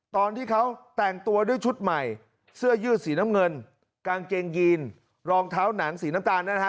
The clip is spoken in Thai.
ตอนที่เขาแต่งตัวด้วยชุดใหม่เสื้อยืดสีน้ำเงินกางเกงยีนรองเท้าหนังสีน้ำตาลนะฮะ